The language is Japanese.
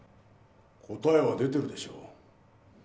・答えは出てるでしょう。